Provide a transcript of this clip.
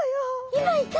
今いた！